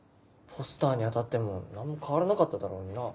ポスターに当たっても何も変わらなかっただろうにな。